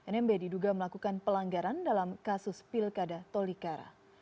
nmb diduga melakukan pelanggaran dalam kasus pilkada tolikara